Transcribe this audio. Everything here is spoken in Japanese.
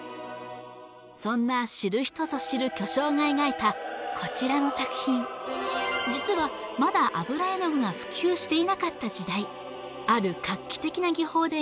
そんな知る人ぞ知る巨匠が描いたこちらの作品実はまだ油絵の具が普及していなかった時代